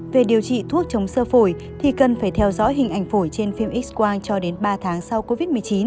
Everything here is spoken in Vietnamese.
về điều trị thuốc chống sơ phổi thì cần phải theo dõi hình ảnh phổi trên phim x quang cho đến ba tháng sau covid một mươi chín